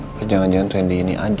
apa jangan jangan rendy ini adi